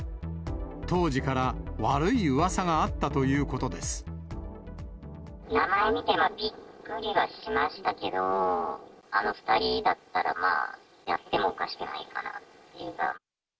当時から悪いうわさがあった名前見て、びっくりはしましたけど、あの２人だったら、まあ、やってもおかしくないかなっていうか。